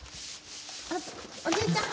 あっおじいちゃん。